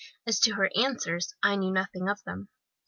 As to her answers, I knew nothing of them.